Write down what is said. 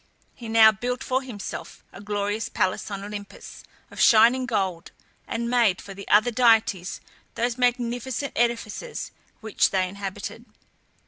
He now built for himself a glorious palace on Olympus, of shining gold, and made for the other deities those magnificent edifices which they inhabited.